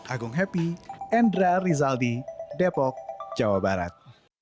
agung happy endra rizaldi depok jawa barat